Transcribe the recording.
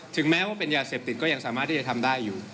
แม้ว่าเป็นยาเสพติดก็ยังสามารถที่จะทำได้อยู่